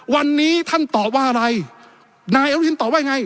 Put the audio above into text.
วันนี้ท่านตอบว่าอะไรนายอนุทินตอบว่าไง